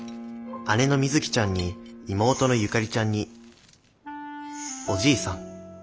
姉のみづきちゃんに妹のゆかりちゃんにおじいさん。